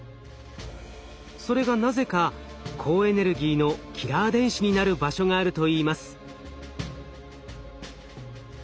それがなぜか高エネルギーのキラー電子になる場所があるといいます。